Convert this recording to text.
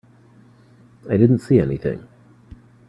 I didn't see anything.